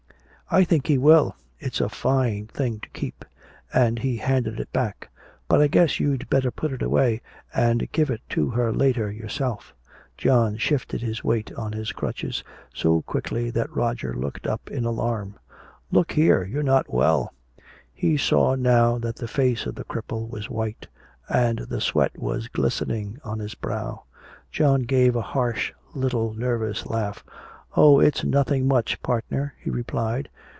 "I think he will. It's a fine thing to keep." And he handed it back. "But I guess you'd better put it away, and give it to her later yourself." John shifted his weight on his crutches, so quickly that Roger looked up in alarm: "Look here! You're not well!" He saw now that the face of the cripple was white and the sweat was glistening on his brow. John gave a harsh little nervous laugh. "Oh, it's nothing much, partner," he replied.